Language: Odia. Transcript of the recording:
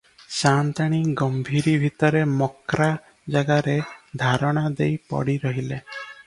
ସାଅନ୍ତାଣୀ ଗମ୍ଭୀରି ଭିତରେ ମକ୍ରା ଜାଗାରେ ଧାରଣା ଦେଇ ପଡ଼ି ରହିଲେ ।